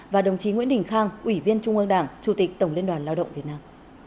và đồng chí nguyễn đình khang ủy viên trung ương đảng chủ tịch tổng liên đoàn lao động việt nam